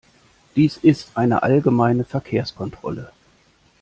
Dies ist eine allgemeine Verkehrskontrolle.